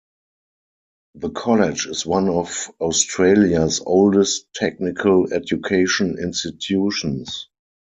The college is one of Australia's oldest technical education institutions.